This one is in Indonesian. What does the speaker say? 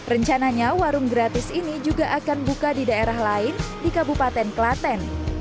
rencananya warung gratis ini juga akan buka di daerah lain di kabupaten klaten